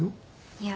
いや。